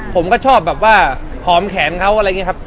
ผมก็ชอบแบบว่าหอมแขนเขาอะไรอย่างนี้ครับ